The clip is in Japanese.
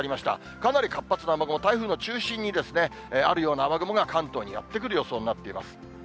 かなり活発な雨雲、台風の中心にあるような雨雲が、関東にやって来る予想になっています。